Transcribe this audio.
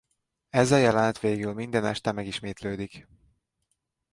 Ez a jelenet végül minden este megismétlődik.